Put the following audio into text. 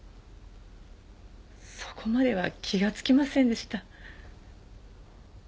そこまでは気がつきませんでした。